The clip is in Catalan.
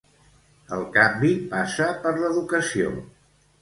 El canvi passa per l'educació.